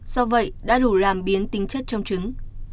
do vậy đã đủ làm biến tính chất trong trứng